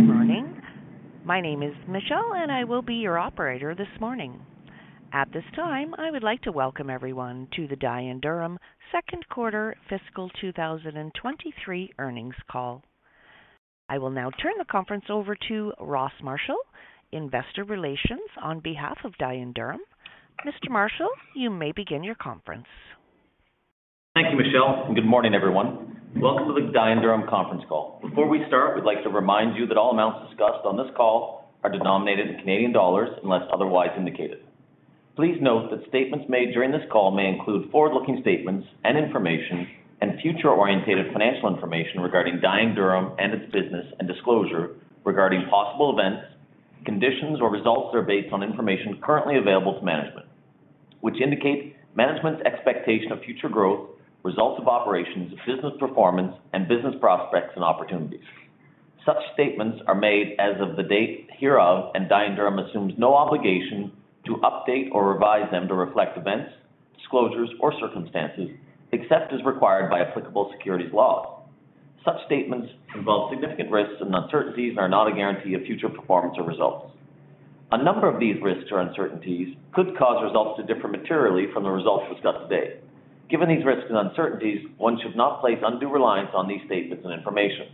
Good morning. My name is Michelle. I will be your operator this morning. At this time, I would like to welcome everyone to the Dye & Durham Q2 fiscal 2023 earnings call. I will now turn the conference over to Ross Marshall, investor relations on behalf of Dye & Durham. Mr. Marshall, you may begin your conference. Thank you, Michelle. Good morning, everyone. Welcome to the Dye & Durham conference call. Before we start, we'd like to remind you that all amounts discussed on this call are denominated in Canadian dollars unless otherwise indicated. Please note that statements made during this call may include forward-looking statements and information and future-orientated financial information regarding Dye & Durham and its business and disclosure regarding possible events, conditions or results that are based on information currently available to management, which indicate management's expectation of future growth, results of operations, business performance, and business prospects and opportunities. Such statements are made as of the date hereof. Dye & Durham assumes no obligation to update or revise them to reflect events, disclosures, or circumstances except as required by applicable securities laws. Such statements involve significant risks and uncertainties and are not a guarantee of future performance or results. A number of these risks or uncertainties could cause results to differ materially from the results discussed today. Given these risks and uncertainties, one should not place undue reliance on these statements and information.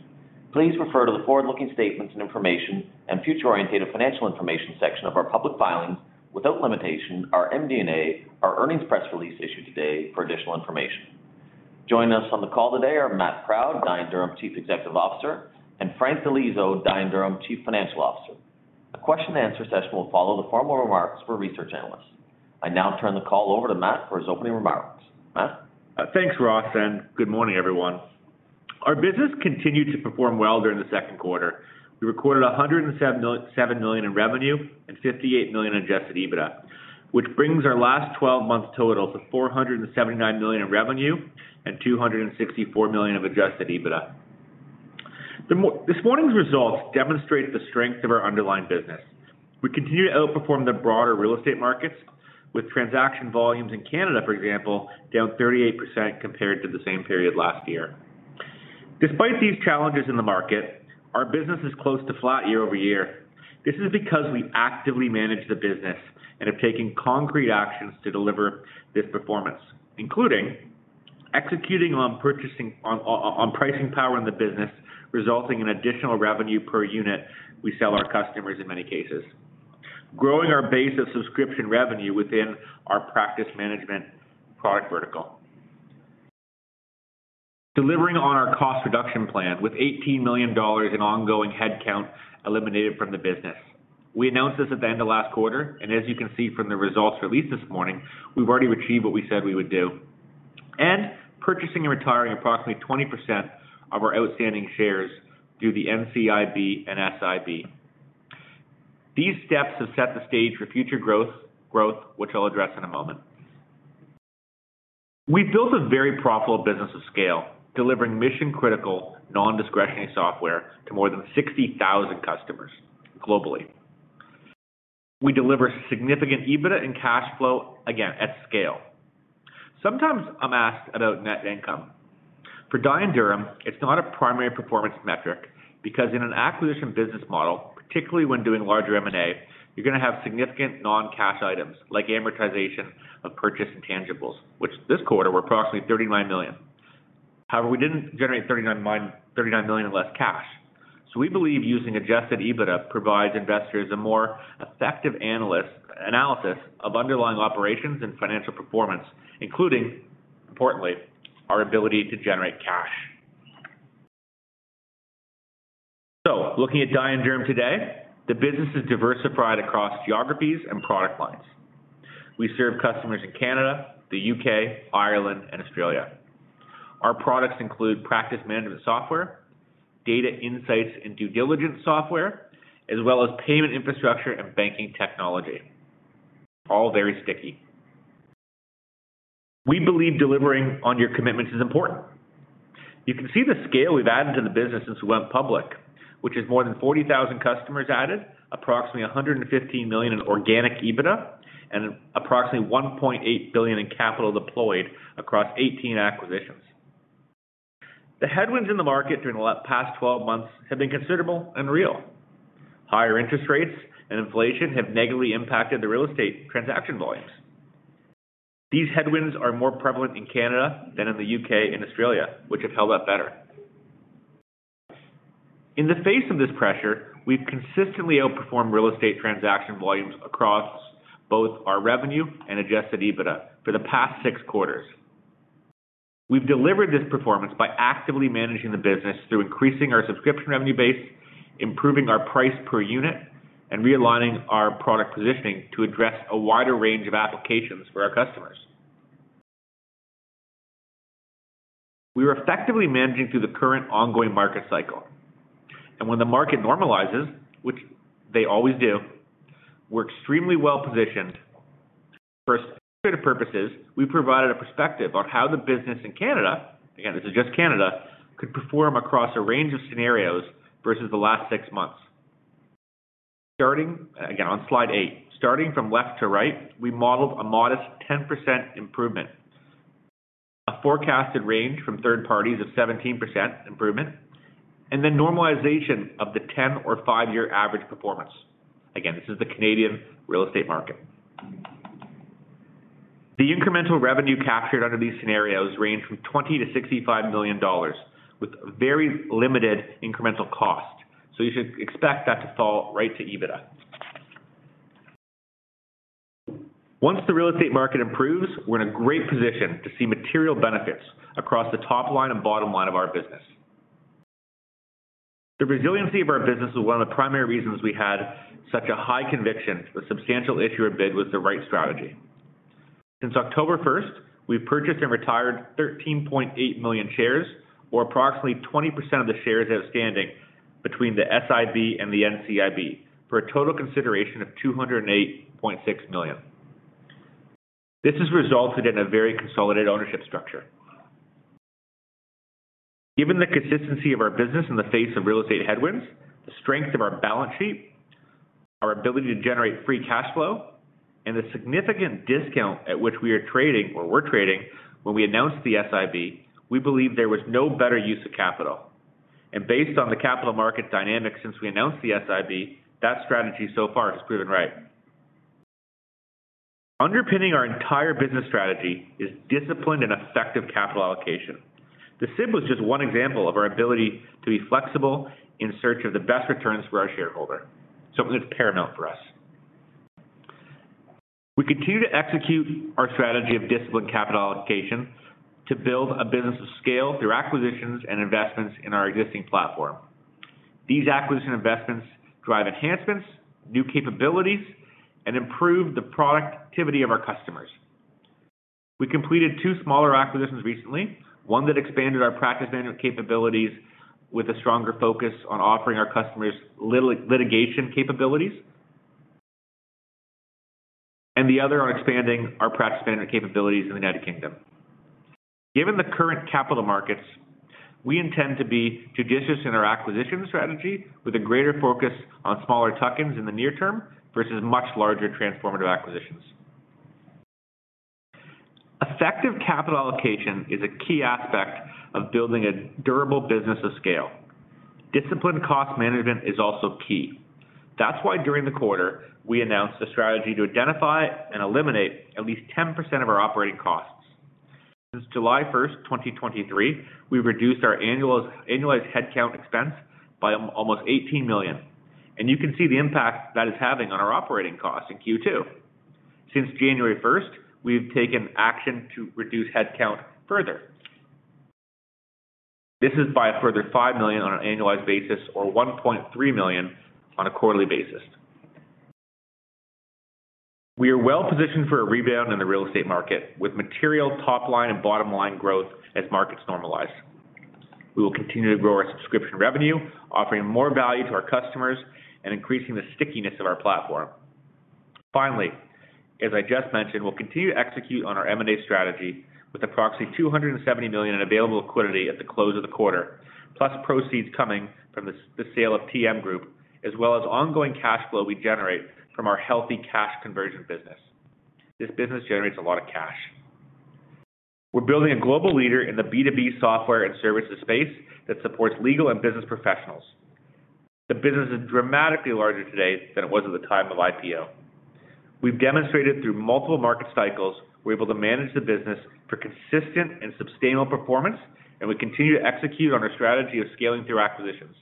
Please refer to the forward-looking statements and information and future oriented financial information section of our public filings, without limitation, our MD&A, our earnings press release issued today for additional information. Joining us on the call today are Matt Proud, Dye & Durham Chief Executive Officer, and Frank Di Liso, Dye & Durham Chief Financial Officer. A question and answer session will follow the formal remarks for research analysts. I now turn the call over to Matt for his opening remarks. Matt? Thanks, Ross, good morning, everyone. Our business continued to perform well during the Q2. We recorded 107 million in revenue and 58 million Adjusted EBITDA, which brings our last twelve month total to 479 million in revenue and 264 million of Adjusted EBITDA. This morning's results demonstrate the strength of our underlying business. We continue to outperform the broader real estate markets with transaction volumes in Canada, for example, down 38% compared to the same period last year. Despite these challenges in the market, our business is close to flat year-over-year. This is because we actively manage the business and are taking concrete actions to deliver this performance, including executing on pricing power in the business, resulting in additional revenue per unit we sell our customers in many cases. Growing our base of subscription revenue within our practice management product vertical. Delivering on our cost reduction plan with $18 million in ongoing headcount eliminated from the business. We announced this at the end of last quarter, and as you can see from the results released this morning, we've already achieved what we said we would do. Purchasing and retiring approximately 20% of our outstanding shares through the NCIB and SIB. These steps have set the stage for future growth, which I'll address in a moment. We've built a very profitable business of scale, delivering mission-critical, non-discretionary software to more than 60,000 customers globally. We deliver significant EBITDA and cash flow again at scale. Sometimes I'm asked about net income. For Dye & Durham, it's not a primary performance metric because in an acquisition business model, particularly when doing larger M&A, you're gonna have significant non-cash items like amortization of purchase intangibles, which this quarter were approximately 39 million. However, we didn't generate 39 million in less cash. We believe using Adjusted EBITDA provides investors a more effective analysis of underlying operations and financial performance, including, importantly, our ability to generate cash. Looking at Dye & Durham today, the business is diversified across geographies and product lines. We serve customers in Canada, the U.K., Ireland, and Australia. Our products include practice management software, data insights and due diligence software, as well as payments infrastructure and Banking Technology. All very sticky. We believe delivering on your commitments is important. You can see the scale we've added to the business since we went public, which is more than 40,000 customers added, approximately 115 million in organic EBITDA, and approximately 1.8 billion in capital deployed across 18 acquisitions. The headwinds in the market during the past 12 months have been considerable and real. Higher interest rates and inflation have negatively impacted the real estate transaction volumes. These headwinds are more prevalent in Canada than in the U.K. and Australia, which have held up better. In the face of this pressure, we've consistently outperformed real estate transaction volumes across both our revenue and Adjusted EBITDA for the past six quarters. We've delivered this performance by actively managing the business through increasing our subscription revenue base, improving our price per unit, and realigning our product positioning to address a wider range of applications for our customers. We are effectively managing through the current ongoing market cycle. When the market normalizes, which they always do, we're extremely well-positioned. For security purposes, we provided a perspective on how the business in Canada, again, this is just Canada, could perform across a range of scenarios versus the last six months. Starting again on slide eight. Starting from left to right, we modeled a modest 10% improvement, a forecasted range from third parties of 17% improvement, then normalization of the 10 or five year average performance. Again, this is the Canadian real estate market. The incremental revenue captured under these scenarios range from 20 million-65 million dollars with very limited incremental cost. You should expect that to fall right to EBITDA. Once the real estate market improves, we're in a great position to see material benefits across the top line and bottom line of our business. The resiliency of our business was one of the primary reasons we had such a high conviction. The substantial issuer bid was the right strategy. Since October 1st, we've purchased and retired 13.8 million shares, or approximately 20% of the shares outstanding between the SIB and the NCIB for a total consideration of 208.6 million. This has resulted in a very consolidated ownership structure. Given the consistency of our business in the face of real estate headwinds, the strength of our balance sheet, our ability to generate free cash flow, and the significant discount at which we are trading or were trading when we announced the SIB, we believe there was no better use of capital. Based on the capital market dynamics since we announced the SIB, that strategy so far has proven right. Underpinning our entire business strategy is disciplined and effective capital allocation. The SIB was just one example of our ability to be flexible in search of the best returns for our shareholder. It was paramount for us. We continue to execute our strategy of disciplined capital allocation to build a business of scale through acquisitions and investments in our existing platform. These acquisition investments drive enhancements, new capabilities, and improve the productivity of our customers. We completed two smaller acquisitions recently, one that expanded our practice management capabilities with a stronger focus on offering our customers litigation capabilities. The other on expanding our practice management capabilities in the United Kingdom. Given the current capital markets, we intend to be judicious in our acquisition strategy with a greater focus on smaller tuck-ins in the near term versus much larger transformative acquisitions. Effective capital allocation is a key aspect of building a durable business of scale. Disciplined cost management is also key. That's why during the quarter, we announced a strategy to identify and eliminate at least 10% of our operating costs. Since July 1, 2023, we've reduced our annualized headcount expense by almost 18 million, and you can see the impact that is having on our operating costs in Q2. Since January 1, we've taken action to reduce headcount further. This is by a further 5 million on an annualized basis or 1.3 million on a quarterly basis. We are well positioned for a rebound in the real estate market with material top line and bottom line growth as markets normalize. We will continue to grow our subscription revenue, offering more value to our customers and increasing the stickiness of our platform. Finally, as I just mentioned, we'll continue to execute on our M&A strategy with approximately 270 million in available liquidity at the close of the quarter, plus proceeds coming from the sale of TM Group, as well as ongoing cash flow we generate from our healthy cash conversion business. This business generates a lot of cash. We're building a global leader in the B2B software and services space that supports legal and business professionals. The business is dramatically larger today than it was at the time of IPO. We've demonstrated through multiple market cycles, we're able to manage the business for consistent and sustainable performance, and we continue to execute on our strategy of scaling through acquisitions.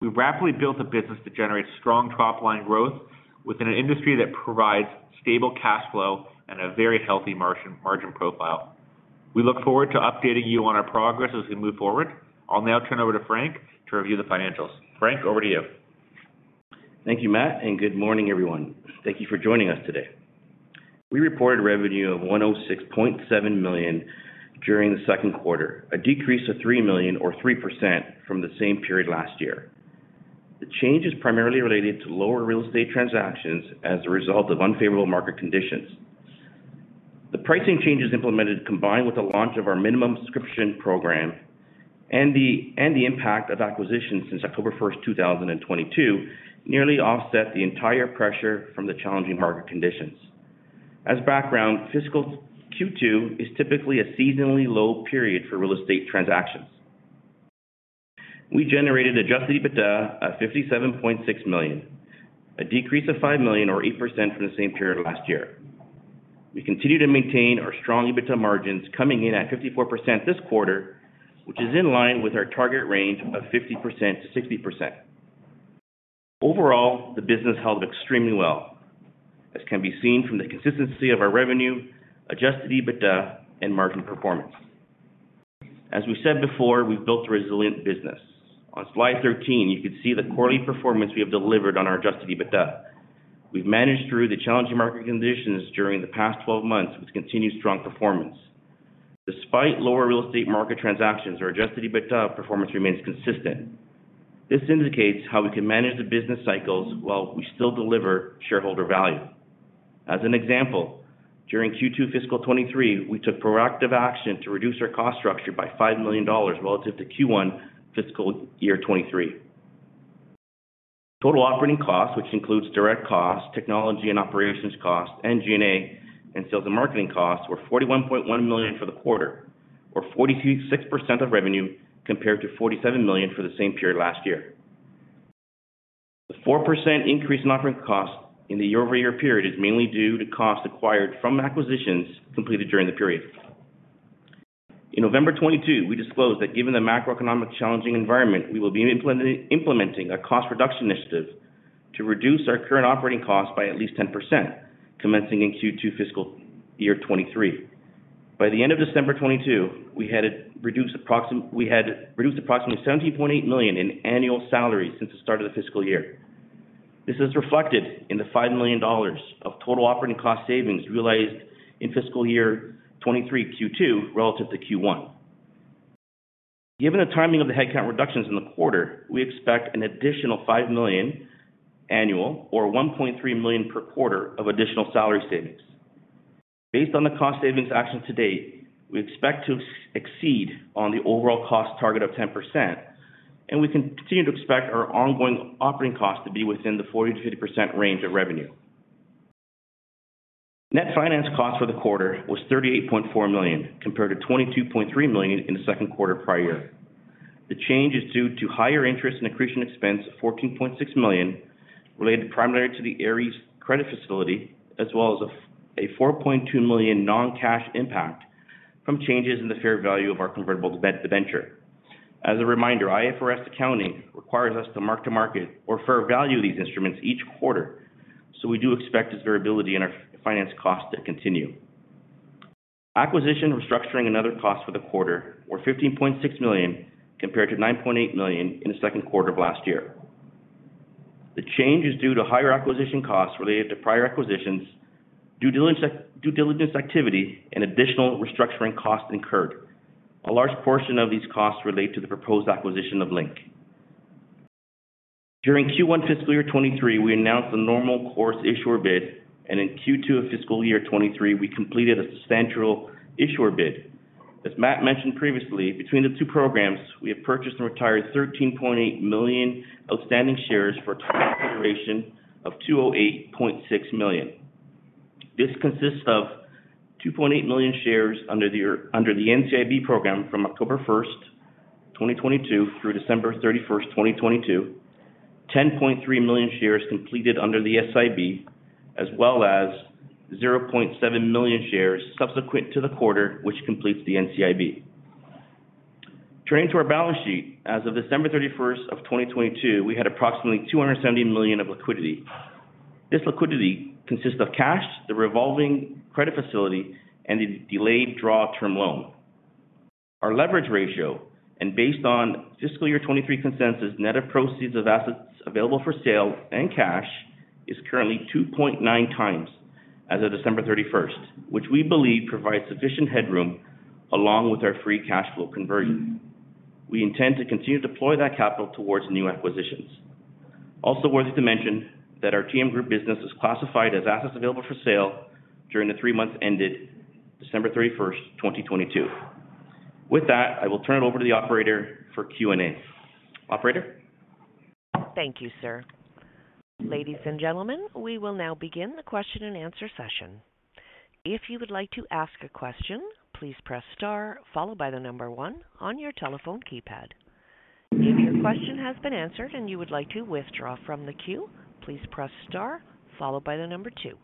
We've rapidly built a business that generates strong top line growth within an industry that provides stable cash flow and a very healthy margin profile. We look forward to updating you on our progress as we move forward. I'll now turn over to Frank to review the financials. Frank, over to you. Thank you, Matt. Good morning, everyone. Thank you for joining us today. We reported revenue of 106.7 million during the Q2, a decrease of 3 million or 3% from the same period last year. The change is primarily related to lower real estate transactions as a result of unfavorable market conditions. The pricing changes implemented, combined with the launch of our minimum subscription program and the impact of acquisitions since October 1, 2022, nearly offset the entire pressure from the challenging market conditions. As background, fiscal Q2 is typically a seasonally low period for real estate transactions. We generated Adjusted EBITDA at 57.6 million, a decrease of 5 million or 8% from the same period last year. We continue to maintain our strong EBITDA margins coming in at 54% this quarter, which is in line with our target range of 50%-60%. Overall, the business held extremely well, as can be seen from the consistency of our revenue, Adjusted EBITDA and margin performance. As we said before, we've built a resilient business. On slide 13, you can see the quarterly performance we have delivered on our Adjusted EBITDA. We've managed through the challenging market conditions during the past 12 months with continued strong performance. Despite lower real estate market transactions, our Adjusted EBITDA performance remains consistent. This indicates how we can manage the business cycles while we still deliver shareholder value. As an example, during Q2 fiscal 2023, we took proactive action to reduce our cost structure by 5 million dollars relative to Q1 fiscal year 2023. Total operating costs, which includes direct costs, technology and operations costs, and G&A and sales and marketing costs, were 41.1 million for the quarter or 46% of revenue compared to 47 million for the same period last year. The 4% increase in operating costs in the year-over-year period is mainly due to costs acquired from acquisitions completed during the period. In November 2022, we disclosed that given the macroeconomic challenging environment, we will be implementing a cost reduction initiative to reduce our current operating costs by at least 10% commencing in Q2 fiscal year 2023. By the end of December 2022, we had reduced approximately 17.8 million in annual salaries since the start of the fiscal year. This is reflected in the 5 million dollars of total operating cost savings realized in fiscal year 2023 Q2 relative to Q1. Given the timing of the headcount reductions in the quarter, we expect an additional 5 million annual or 1.3 million per quarter of additional salary savings. Based on the cost savings actions to date, we expect to exceed on the overall cost target of 10%. We continue to expect our ongoing operating costs to be within the 40%-50% range of revenue. Net finance cost for the quarter was 38.4 million, compared to 22.3 million in the Q2 prior year. The change is due to higher interest and accretion expense of 14.6 million related primarily to the Ares credit facility, as well as a 4.2 million non-cash impact from changes in the fair value of our convertible debenture. As a reminder, IFRS accounting requires us to mark-to-market or fair value these instruments each quarter. We do expect this variability in our finance costs to continue. Acquisition, restructuring, and other costs for the quarter were 15.6 million, compared to 9.8 million in the Q2 of last year. The change is due to higher acquisition costs related to prior acquisitions, due diligence activity and additional restructuring costs incurred. A large portion of these costs relate to the proposed acquisition of Link. During Q1 fiscal year 2023, we announced the normal course issuer bid, and in Q2 of fiscal year 2023, we completed a substantial issuer bid. As Matt mentioned previously, between the two programs, we have purchased and retired 13.8 million outstanding shares for a total consideration of 208.6 million. This consists of 2.8 million shares under the NCIB program from October 1, 2022 through December 31, 2022, 10.3 million shares completed under the SIB, as well as 0.7 million shares subsequent to the quarter, which completes the NCIB. Turning to our balance sheet, as of December 31, 2022, we had approximately 270 million of liquidity. This liquidity consists of cash, the revolving credit facility, and the delayed draw term loan. Based on fiscal year 2023 consensus, net of proceeds of assets held for sale and cash is currently 2.9x as of December 31, which we believe provides sufficient headroom along with our free cash flow conversion. We intend to continue to deploy that capital towards new acquisitions. Also worthy to mention that our TM Group business is classified as assets held for sale during the three months ended December 31st, 2022. With that, I will turn it over to the operator for Q&A. Operator? Thank you, sir. Ladies and gentlemen, we will now begin the question and answer session. If you would like to ask a question, please press star followed by the number one on your telephone keypad. If your question has been answered and you would like to withdraw from the queue, please press star followed by the number two.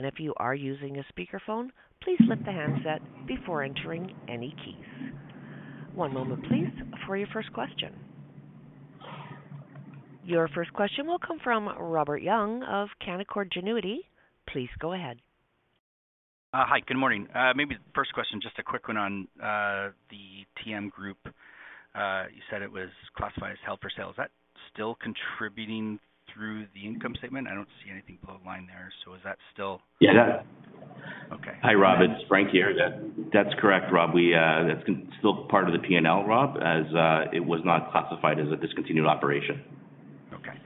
If you are using a speakerphone, please lift the handset before entering any keys. One moment please for your first question. Your first question will come from Robert Young of Canaccord Genuity. Please go ahead. Hi, good morning. Maybe the first question, just a quick one on the TM Group. You said it was classified as held for sale. Is that still contributing through the income statement? I don't see anything bottom line there. Is that still? Yeah. Okay. Hi, Rob, it's Frank here. That's correct, Rob. That's still part of the P&L, Rob, as it was not classified as a discontinued operation. Okay.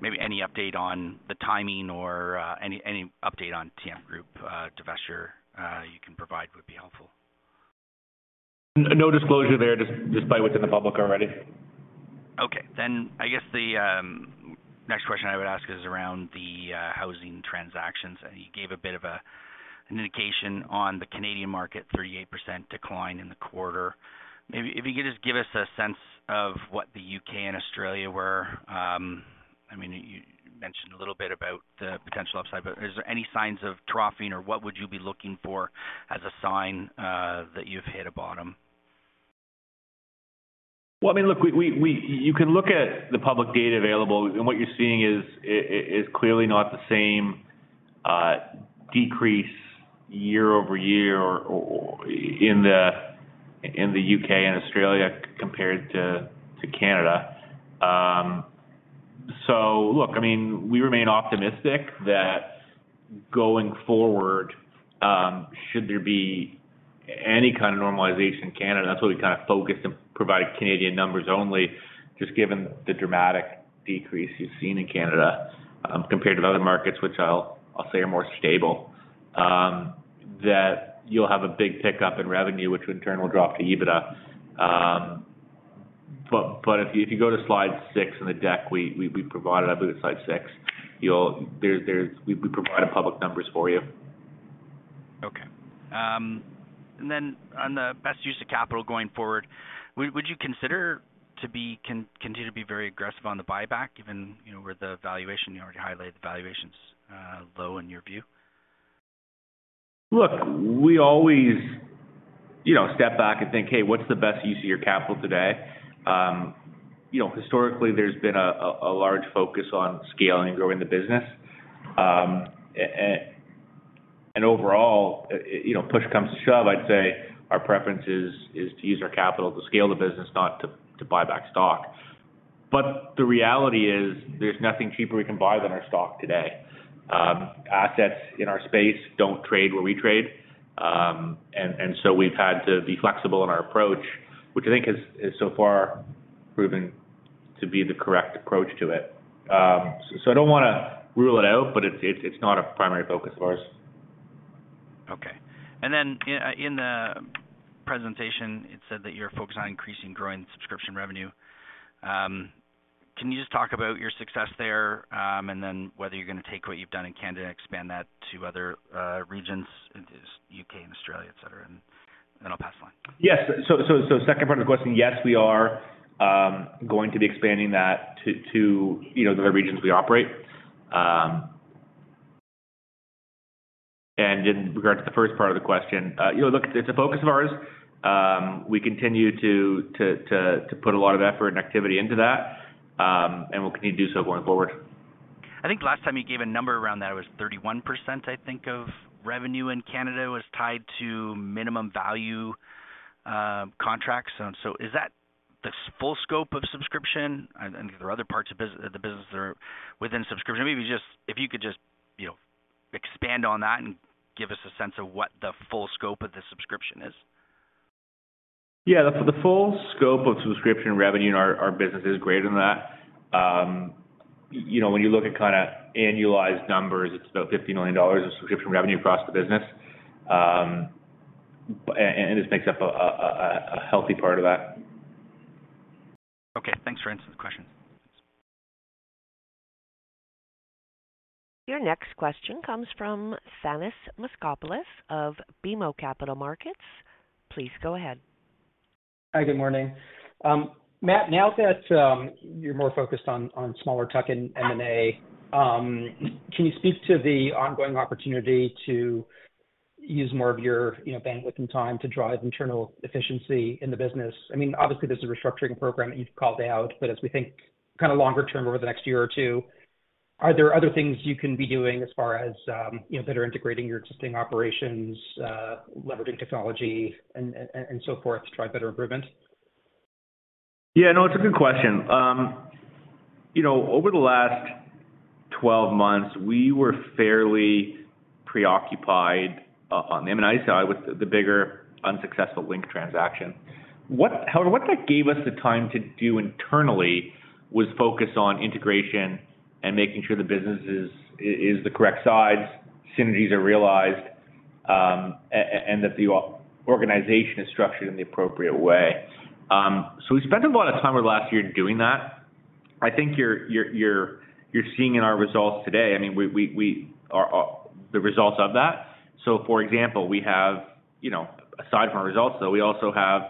Maybe any update on the timing or, any update on TM Group divesture, you can provide would be helpful. No disclosure there, just by what's in the public already. I guess the next question I would ask is around the housing transactions. You gave a bit of an indication on the Canadian market, 38% decline in the quarter. Maybe if you could just give us a sense of what the U.K. and Australia were. I mean, you mentioned a little bit about the potential upside, but is there any signs of troughing or what would you be looking for as a sign that you've hit a bottom? Well, I mean, look, we You can look at the public data available and what you're seeing is, it is clearly not the same decrease year-over-year or in the U.K. and Australia compared to Canada. Look, I mean, we remain optimistic that going forward, should there be Any kind of normalization in Canada, that's what we kind of focused and provided Canadian numbers only just given the dramatic decrease you've seen in Canada, compared to other markets which I'll say are more stable, that you'll have a big pickup in revenue, which in turn will drop to EBITDA. If you go to slide six in the deck, we provided, I believe it's slide six, there's we provided public numbers for you. Okay. On the best use of capital going forward, would you consider to be continue to be very aggressive on the buyback given, you know, where the valuation, you already highlighted the valuation's low in your view? Look, we always, you know, step back and think, "Hey, what's the best use of your capital today?" You know, historically there's been a large focus on scaling and growing the business. And overall, you know, push comes to shove, I'd say our preference is to use our capital to scale the business, not to buy back stock. The reality is there's nothing cheaper we can buy than our stock today. Assets in our space don't trade where we trade, and so we've had to be flexible in our approach, which I think has so far proven to be the correct approach to it. I don't wanna rule it out, but it's not a primary focus of ours. Okay. In the presentation, it said that you're focused on increasing growing subscription revenue. Can you just talk about your success there, whether you're going to take what you've done in Canada and expand that to other regions, U.K. and Australia, et cetera? I'll pass the line. Yes. Second part of the question, yes, we are going to be expanding that to, you know, the other regions we operate. In regard to the first part of the question, you know, look, it's a focus of ours. We continue to put a lot of effort and activity into that, and we'll continue to do so going forward. I think last time you gave a number around that, it was 31% I think of revenue in Canada was tied to minimum value contracts. Is that the full scope of subscription? I think there are other parts of the business that are within subscription. If you could just, you know, expand on that and give us a sense of what the full scope of the subscription is. Yeah. The full scope of subscription revenue in our business is greater than that. You know, when you look at kinda annualized numbers, it's about 50 million dollars of subscription revenue across the business. This makes up a healthy part of that. Okay. Thanks for answering the questions. Your next question comes from Thanos Moschopoulos of BMO Capital Markets. Please go ahead. Hi, good morning. Matt, now that, you're more focused on smaller tuck in M&A, can you speak to the ongoing opportunity to use more of your, you know, bandwidth and time to drive internal efficiency in the business? I mean, obviously, there's a restructuring program that you've called out, but as we think kinda longer term over the next year or two, are there other things you can be doing as far as, you know, better integrating your existing operations, leveraging technology and so forth to drive better improvement? Yeah, no, it's a good question. You know, over the last 12 months, we were fairly preoccupied on the M&A side with the bigger unsuccessful Link transaction. However, what that gave us the time to do internally was focus on integration and making sure the business is the correct size, synergies are realized, and that the organization is structured in the appropriate way. We spent a lot of time over the last year doing that. I think you're seeing in our results today, I mean, we are the results of that. For example, we have, you know, aside from our results, though, we also have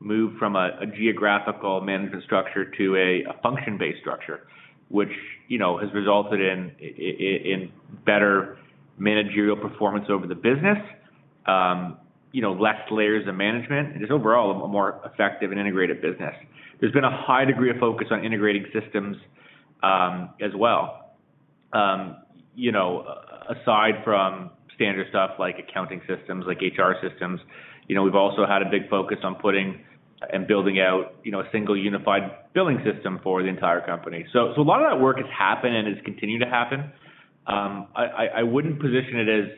moved from a geographical management structure to a function-based structure, which, you know, has resulted in better managerial performance over the business, you know, less layers of management, and just overall a more effective and integrated business. There's been a high degree of focus on integrating systems as well. You know, aside from standard stuff like accounting systems, like HR systems, you know, we've also had a big focus on putting and building out, you know, a single unified billing system for the entire company. A lot of that work has happened and has continued to happen. I wouldn't position it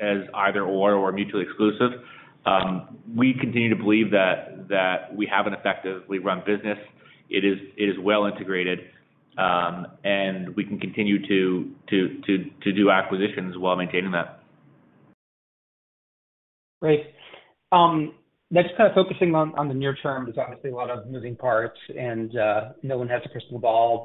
as either/or or mutually exclusive. We continue to believe that we have an effectively run business. It is well integrated, and we can continue to do acquisitions while maintaining that. Great. Next, kind of focusing on the near term, there's obviously a lot of moving parts and, no one has a crystal ball.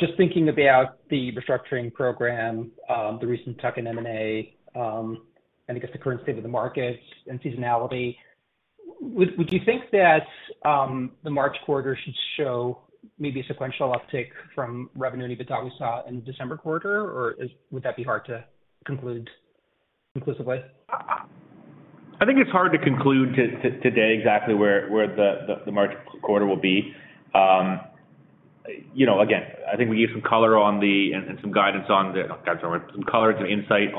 Just thinking about the restructuring program, the recent tuck in M&A, and I guess the current state of the market and seasonality, would you think that, the March quarter should show maybe a sequential uptick from revenue and EBITDA we saw in the December quarter, or would that be hard to conclude conclusively? I think it's hard to conclude today exactly where the March quarter will be. You know, again, I think we gave some color on the, and some guidance on the-- not guidance, some color and some insight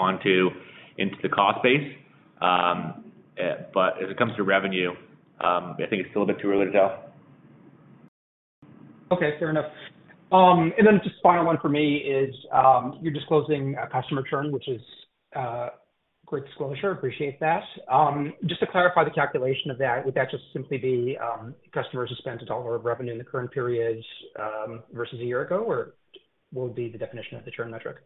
into the cost base. As it comes to revenue, I think it's still a bit too early to tell. Okay, fair enough. Just final one for me is, you're disclosing customer churn, which is great disclosure. Appreciate that. Just to clarify the calculation of that, would that just simply be customers who spent a dollar of revenue in the current periods versus a year ago? Or what would be the definition of the churn metric?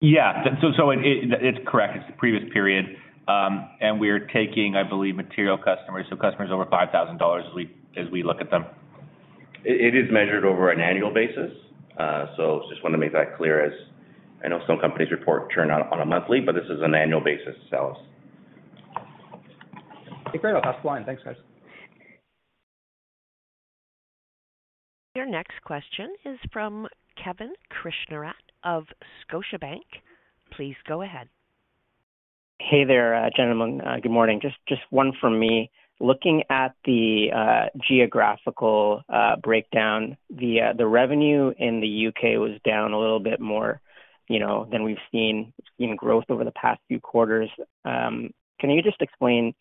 Yeah. It's correct. It's the previous period. We're taking, I believe, material customers, so customers over 5,000 dollars as we look at them. It is measured over an annual basis. just wanna make that clear as I know some companies report churn on a monthly, but this is an annual basis. Great. I'll pass the line. Thanks, guys. Your next question is from Kevin Krishnaratne of Scotiabank. Please go ahead. Hey there, gentlemen. Good morning. Just one from me. Looking at the geographical breakdown, the revenue in the U.K. was down a little bit more, you know, than we've seen in growth over the past few quarters. Can you just explain,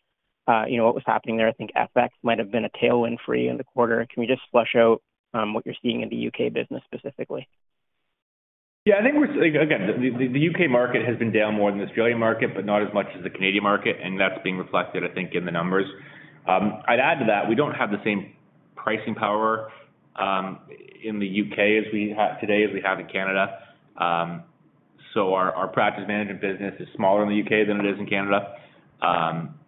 you know, what was happening there? I think FX might have been a tailwind for you in the quarter. Can you just flesh out what you're seeing in the U.K. business specifically? Yeah, I think we're. Again, the U.K. market has been down more than the Australian market, but not as much as the Canadian market, and that's being reflected, I think, in the numbers. I'd add to that, we don't have the same pricing power in the U.K. as we have today as we have in Canada. Our practice management business is smaller in the U.K. than it is in Canada.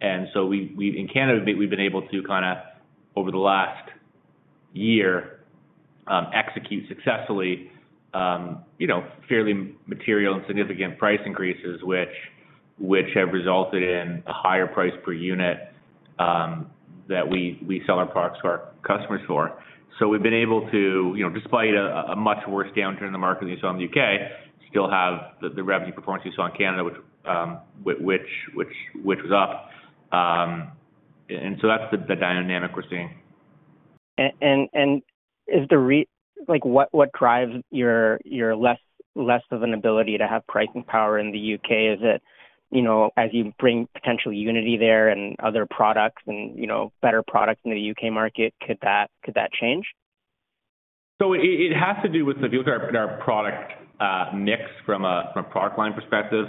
In Canada we've been able to kinda, over the last year, execute successfully, you know, fairly material and significant price increases, which have resulted in a higher price per unit that we sell our products to our customers for. We've been able to, you know, despite a much worse downturn in the market than you saw in the U.K., still have the revenue performance you saw in Canada which was up. That's the dynamic we're seeing. Is the like what drives your less of an ability to have pricing power in the U.K.? Is it, you know, as you bring potential Unity there and other products and, you know, better products into the U.K. market, could that change? It has to do with our product mix from a product line perspective.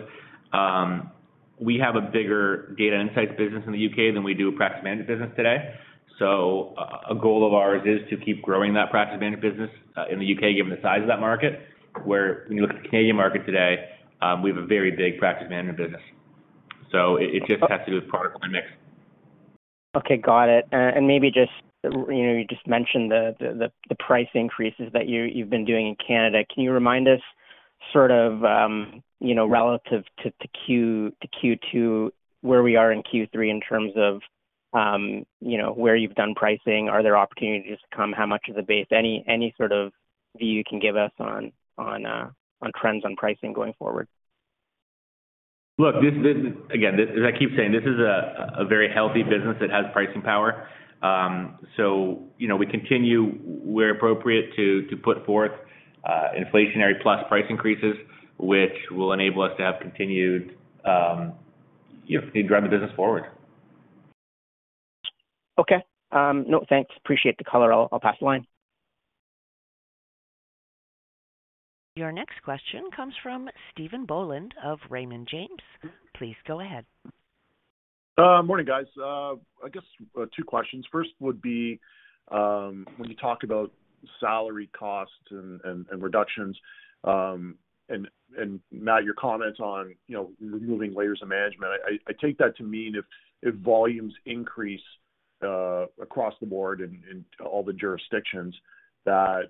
We have a bigger data insights business in the U.K. than we do a practice management business today. A goal of ours is to keep growing that practice management business in the U.K., given the size of that market. Where when you look at the Canadian market today, we have a very big practice management business. It just has to do with product line mix. Okay, got it. Maybe just, you know, you just mentioned the price increases that you've been doing in Canada. Can you remind us sort of, you know, relative to Q2, where we are in Q3 in terms of, you know, where you've done pricing? Are there opportunities to come? How much is the base? Any sort of view you can give us on trends on pricing going forward? Look, this Again, as I keep saying, this is a very healthy business that has pricing power. You know, we continue where appropriate to put forth inflationary plus price increases, which will enable us to have continued, you know, drive the business forward. Okay. no, thanks. Appreciate the color. I'll pass the line. Your next question comes from Stephen Boland of Raymond James. Please go ahead. Morning, guys. I guess, two questions. First would be, when you talk about salary costs and reductions, and Matt, your comment on, you know, removing layers of management, I take that to mean if volumes increase, across the board in all the jurisdictions that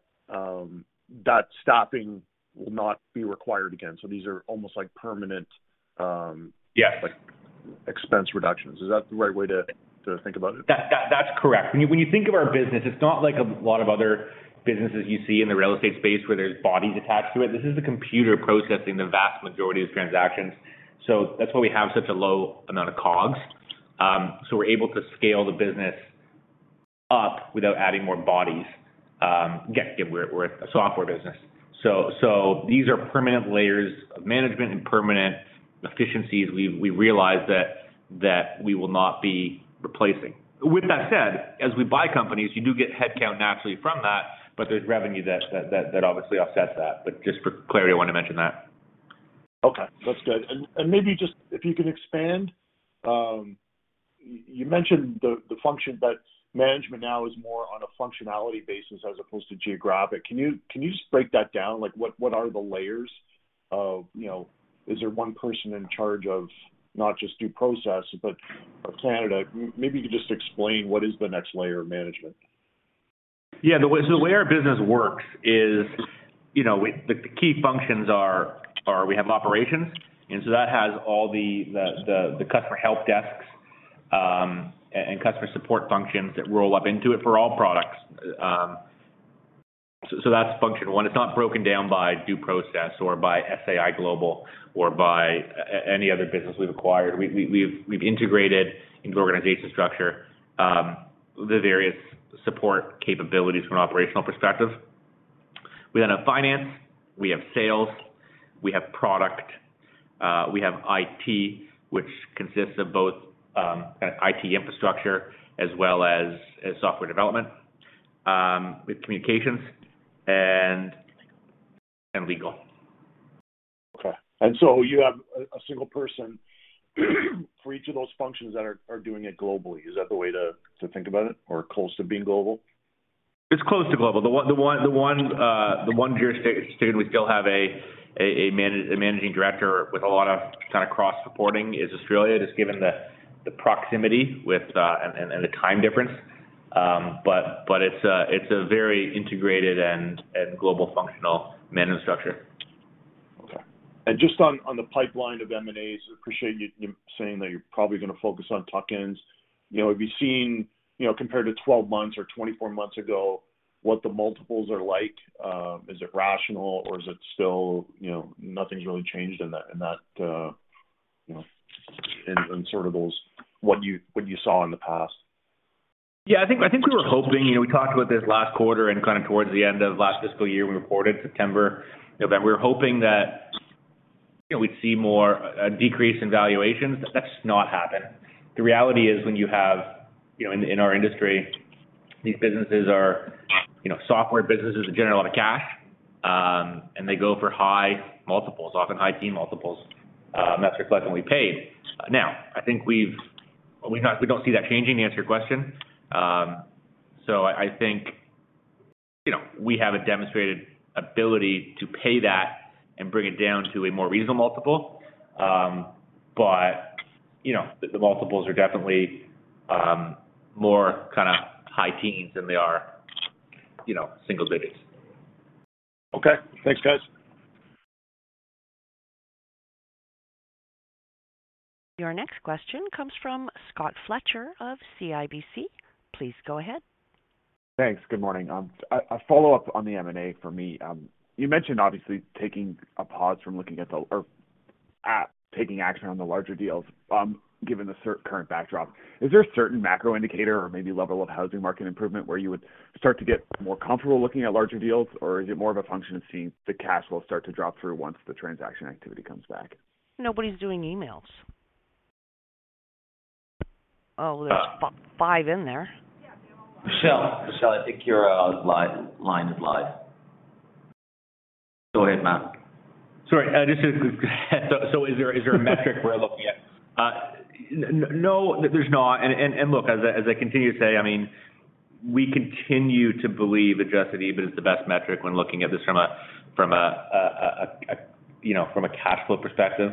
stopping will not be required again. These are almost like permanent. Yes. like expense reductions. Is that the right way to think about it? That's correct. When you think of our business, it's not like a lot of other businesses you see in the real estate space where there's bodies attached to it. This is a computer processing the vast majority of transactions. That's why we have such a low amount of cogs. We're able to scale the business up without adding more bodies. Yeah, we're a software business. These are permanent layers of management and permanent efficiencies we realize that we will not be replacing. With that said, as we buy companies, you do get headcount naturally from that, but there's revenue that obviously offsets that. Just for clarity, I want to mention that. Okay, that's good. Maybe just if you can expand, you mentioned the function, but management now is more on a functionality basis as opposed to geographic. Can you just break that down? Like what are the layers of, you know, is there one person in charge of not just DoProcess but of Canada? Maybe you could just explain what is the next layer of management. Yeah. The way our business works is, you know, the key functions are we have operations, that has all the customer help desks and customer support functions that roll up into it for all products. That's function one. It's not broken down by Do Process or by SAI Global or by any other business we've acquired. We've integrated into organization structure the various support capabilities from an operational perspective. We have finance, we have sales, we have product, we have IT, which consists of both IT infrastructure as well as software development, we have communications and legal. Okay. You have a single person for each of those functions that are doing it globally. Is that the way to think about it or close to being global? It's close to global. The one jurisdiction we still have a managing director with a lot of kind of cross-reporting is Australia, just given the proximity with and the time difference. It's a very integrated and global functional management structure. Okay. Just on the pipeline of M&As, appreciate you saying that you're probably gonna focus on tuck-ins. You know, have you seen, you know, compared to 12 months or 24 months ago, what the multiples are like? Is it rational or is it still, you know, nothing's really changed in that, you know, in sort of those what you saw in the past? Yeah, I think we were hoping, you know, we talked about this last quarter and kind of towards the end of last fiscal year we reported September. We were hoping that, you know, we'd see more a decrease in valuations. That's just not happened. The reality is when you have, you know, in our industry, these businesses are, you know, software businesses that generate a lot of cash, and they go for high multiples, often high teen multiples, and that's reflectively paid. I think we don't see that changing to answer your question. I think, you know, we have a demonstrated ability to pay that and bring it down to a more reasonable multiple. You know, the multiples are definitely more kinda high teens than they are, you know, single digits. Okay. Thanks, guys. Your next question comes from Scott Fletcher of CIBC. Please go ahead. Thanks. Good morning. A follow-up on the M&A for me. You mentioned obviously taking a pause from looking or at taking action on the larger deals, given the current backdrop. Is there a certain macro indicator or maybe level of housing market improvement where you would start to get more comfortable looking at larger deals, or is it more of a function of seeing the cash flow start to drop through once the transaction activity comes back? Nobody's doing emails. Oh, there's five in there. Michelle. Michelle, I think your line is live. Go ahead, Matt. Sorry. Is there a metric we're looking at? No, there's not. Look, as I continue to say, I mean, we continue to believe Adjusted EBITDA is the best metric when looking at this from a, you know, from a cash flow perspective,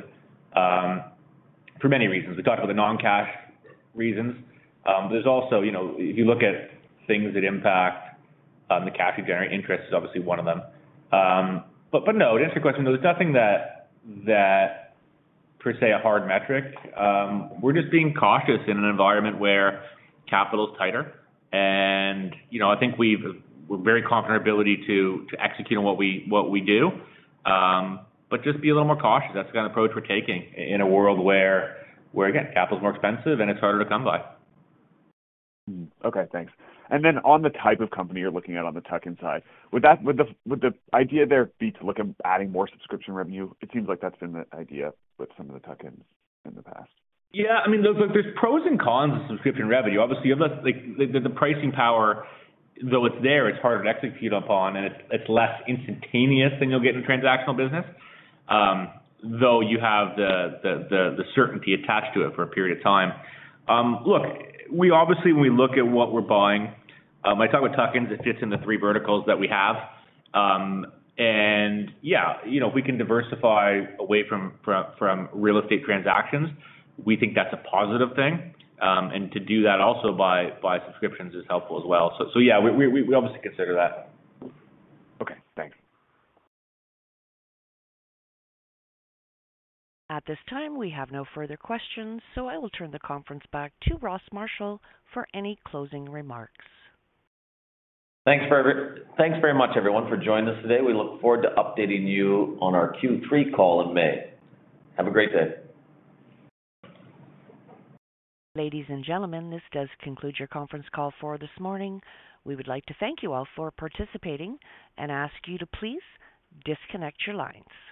for many reasons. We talked about the non-cash reasons. There's also, you know, if you look at things that impact the cash you generate, interest is obviously one of them. No, to answer your question, there's nothing that per se, a hard metric. We're just being cautious in an environment where capital is tighter. You know, I think we're very confident in our ability to execute on what we do, but just be a little more cautious. That's the kind of approach we're taking in a world where, again, capital is more expensive and it's harder to come by. Okay, thanks. Then on the type of company you're looking at on the tuck-in side, would the idea there be to look at adding more subscription revenue? It seems like that's been the idea with some of the tuck-ins in the past. Yeah. I mean, there's, look, there's pros and cons of subscription revenue. Obviously, you have less like the pricing power, though it's there, it's harder to execute upon, and it's less instantaneous than you'll get in a transactional business. Though you have the certainty attached to it for a period of time. Look, we obviously, when we look at what we're buying, I talk about tuck-ins, it fits in the three verticals that we have. Yeah, you know, if we can diversify away from real estate transactions, we think that's a positive thing. To do that also by subscriptions is helpful as well. Yeah, we obviously consider that. Okay, thanks. At this time, we have no further questions, so I will turn the conference back to Ross Marshall for any closing remarks. Thanks very much, everyone, for joining us today. We look forward to updating you on our Q3 call in May. Have a great day. Ladies and gentlemen, this does conclude your conference call for this morning. We would like to thank you all for participating and ask you to please disconnect your lines.